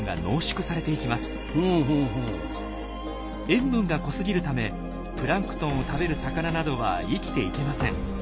塩分が濃すぎるためプランクトンを食べる魚などは生きていけません。